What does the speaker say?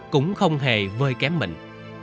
cũng không hề vơi kém mình